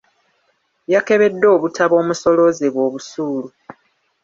Yakebedde obutabo omusoloozebwa obusuulu.